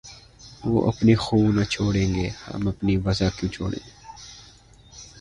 وہ اپنی خو نہ چھوڑیں گے‘ ہم اپنی وضع کیوں چھوڑیں!